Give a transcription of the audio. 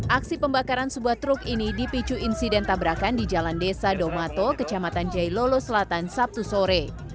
aksi pembakaran sebuah truk ini dipicu insiden tabrakan di jalan desa domato kecamatan jailolo selatan sabtu sore